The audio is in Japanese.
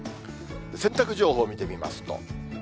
洗濯情報見てみますと。